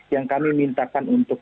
yang kami mintakan untuk